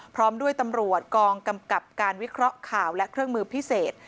พร้อมด้วยตำรวจกองกำกับการวิเคราะห์ข่าวและเครื่องมือพิเศษ